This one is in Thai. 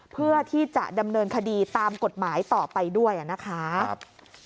เพื่อที่จะดำเนินคดีตามกฎหมายต่อไปด้วยนะคะ